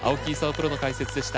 プロの解説でした。